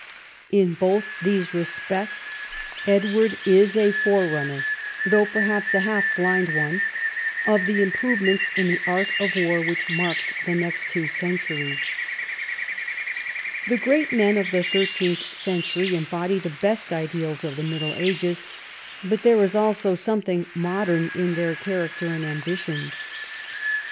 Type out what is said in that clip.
In both these respects Edward is a forerunner, though perhaps a half blind one, of the improvements in the art of war which marked the next two centuries. The great men of the thirteenth century embody the best ideals of the Middle Ages, but there is also some thing modern in their character and ambitions.